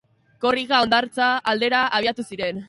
Korrika hondartza aldera abiatu ziren.